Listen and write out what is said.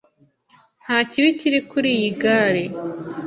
Nta kibi kiri kuri iyi gare.